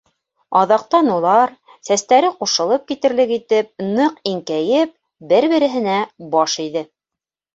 Аҙаҡтан улар, сәстәре ҡушылып китерлек итеп ныҡ иңкәйеп, бер-береһенә баш эйҙе.